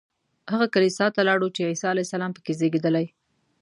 هغه کلیسا ته لاړو چې عیسی علیه السلام په کې زېږېدلی.